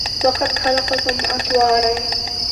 وَقَدْ خَلَقَكُمْ أَطْوَارًا